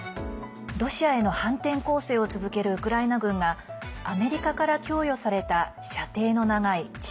ロシアへの反転攻勢を続けるウクライナ軍がアメリカから供与された射程の長い地